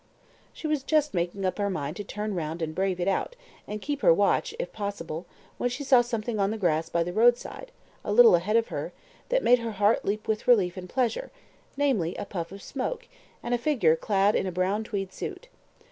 She was just making up her mind to turn round and brave it out, and keep her watch if possible when she saw something on the grass by the roadside, a little ahead of her, that made her heart leap with relief and pleasure namely, a puff of smoke, and a figure clad in a brown tweed suit.